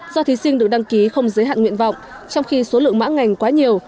do thí sinh được đăng ký không giới hạn nguyện vọng trong khi số lượng mã ngành quá nhiều